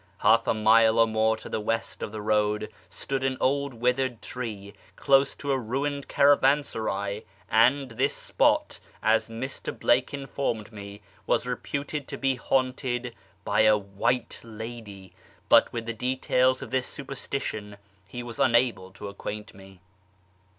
Half a mile or more to the west of the road stood an old withered tree close to a ruined caravansaray, and this spot, as Mr. Blake informed me, was reputed to be haunted by a "white lady," but with the details of this superstition he was unable to acquaint me.